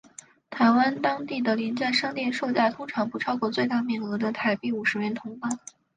台湾当地的廉价商店售价通常不超过最大面额的台币五十元铜板。